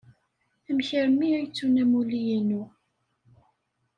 Amek armi ay ttun amulli-inu?